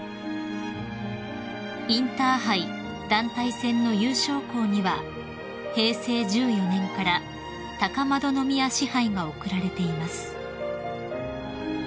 ［インターハイ団体戦の優勝校には平成１４年から高円宮賜牌が贈られています］